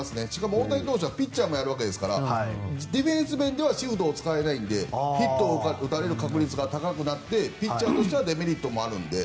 大谷選手はピッチャーもやるわけですからディフェンス面ではシフトを使えないのでヒットを打たれる確率が高くなってピッチャーとしてはデメリットもあるので。